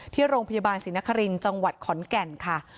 ที่โรงพยาบาลศรีนครินทร์จังหวัดขอนแก่นค่ะ